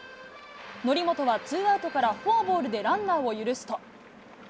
則本はツーアウトからフォアボールでランナーを許すと。